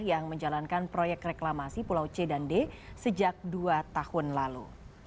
yang menjalankan proyek reklamasi pulau c dan d sejak dua tahun lalu